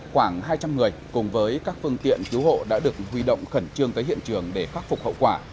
khoảng hai trăm linh người cùng với các phương tiện cứu hộ đã được huy động khẩn trương tới hiện trường để khắc phục hậu quả